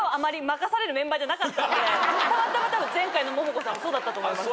たまたま前回のモモコさんもそうだったと思います。